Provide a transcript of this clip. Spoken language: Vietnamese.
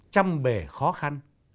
trăm bề khó khăn